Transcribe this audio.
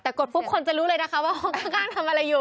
แต่กดปุ๊บคนจะรู้เลยนะคะว่าห้องข้างทำอะไรอยู่